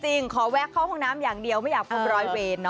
หนึ่งขอแวะเข้าห้องน้ำอย่างเดียวไม่อยากปลูกรอยเฟน